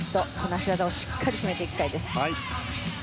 脚技をしっかりこなしていきたいです。